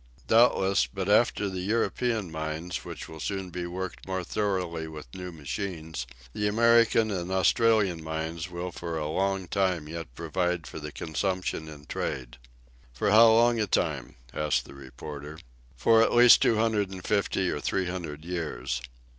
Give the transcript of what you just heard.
"Doubtless; but after the European mines, which will be soon worked more thoroughly with new machines, the American and Australian mines will for a long time yet provide for the consumption in trade." "For how long a time?" asked the reporter. "For at least two hundred and fifty or three hundred years."